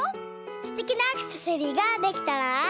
すてきなアクセサリーができたら。